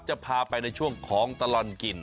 จะพาไปในช่วงของตลอดกิน